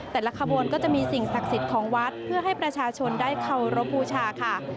แต่ละขบวนก็จะมีสิ่งศักดิ์สิทธิ์ของวัดเพื่อให้ประชาชนได้เคารพบูชาค่ะ